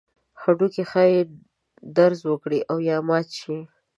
هډوکي ښایي درز وکړي او یا مات شي.